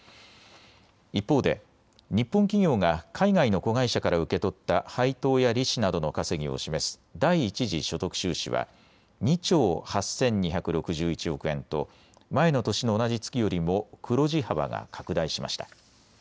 一方で日本企業が海外の子会社から受け取った配当や利子などの稼ぎを示す第一次所得収支は２兆８２６１億円と前の年の同じ月よりも黒字幅が拡大しました。